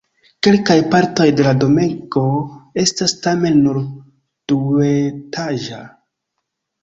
Kelkaj partoj de la domego estas tamen nur duetaĝa.